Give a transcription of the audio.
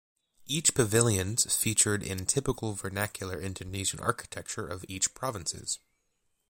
Each pavilions featured in typical vernacular Indonesian architecture of each provinces.